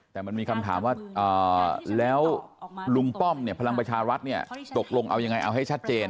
แต่มันมีคำถามว่าแล้วลุงป้อมเนี่ยพลังประชารัฐเนี่ยตกลงเอายังไงเอาให้ชัดเจน